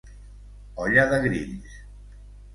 Olla de grills.